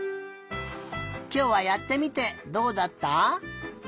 きょうはやってみてどうだった？